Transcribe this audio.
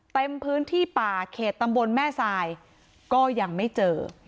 เต็มพื้นที่ป่าเขตตำบลแม่ทรายก็ยังไม่เจอ